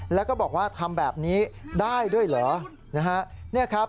แล้วก็บอกว่าทำแบบนี้ได้ด้วยเหรอนะฮะ